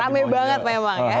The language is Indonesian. rame banget memang ya